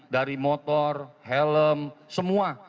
dari motor helm semua